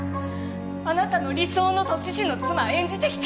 あなたの理想の都知事の妻演じてきた。